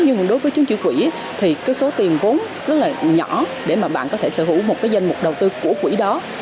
cũng như đối với trứng chỉ quỹ thì số tiền vốn rất nhỏ để bạn có thể sở hữu một danh mục đầu tư của quỹ đó